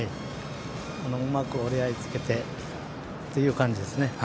うまく折り合いつけてという感じですね。